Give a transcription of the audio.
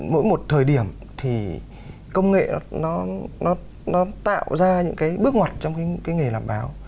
mỗi một thời điểm thì công nghệ nó tạo ra những cái bước ngoặt trong cái nghề làm báo